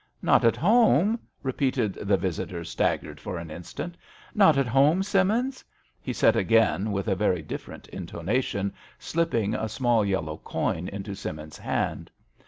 Not at home ?repeated the visitor, staggered for an instant. Not at home, Simmins?" he said again, with a very different MISS AWDREY AT HOME. I93 intonation, slipping a small yellow coin into Simmins's hand.